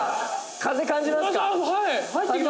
風、感じますか？」